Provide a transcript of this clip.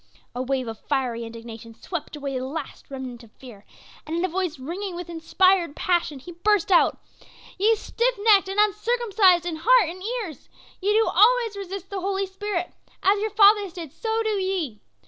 A wave of fiery indignation swept away the last remnant of fear, and in a voice ringing with inspired passion, he burst out: "Ye stiff necked and uncircumcised in heart and ears! Ye do always resist the Holy Spirit; as your fathers did, so do ye.